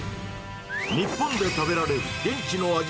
日本で食べられる現地の味